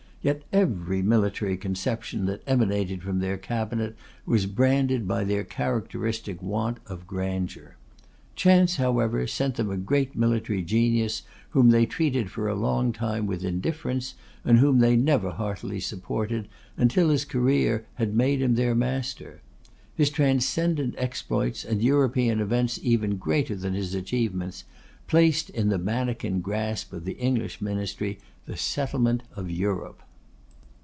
Yet every military conception that emanated from their cabinet was branded by their characteristic want of grandeur. Chance, however, sent them a great military genius, whom they treated for a long time with indifference, and whom they never heartily supported until his career had made him their master. His transcendent exploits, and European events even greater than his achievements, placed in the manikin grasp of the English ministry, the settlement of Europe.